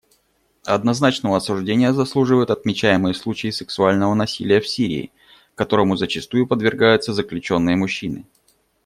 Однозначного осуждения заслуживают отмечаемые случаи сексуального насилия в Сирии, которому зачастую подвергаются заключенные-мужчины.